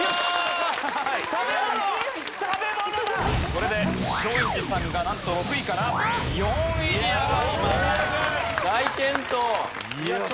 これで松陰寺さんがなんと６位から４位に上がります。